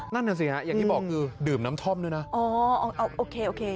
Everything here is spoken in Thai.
นั่นน่ะสิฮะอย่างที่บอกคือดื่มน้ำท่อมด้วยนะอ๋อโอเคโอเค